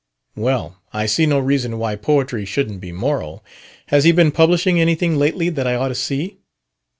"Well, I see no reason why poetry shouldn't be moral. Has he been publishing anything lately that I ought to see?"